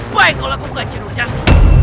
baik kalau aku bukan jenur jati